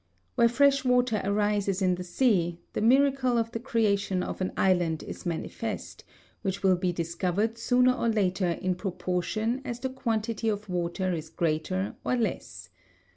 Where fresh water arises in the sea, the miracle of the creation of an island is manifest, which will be discovered sooner or later in proportion as the quantity of water is greater or less.